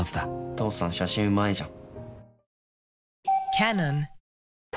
父さん写真うまいじゃん。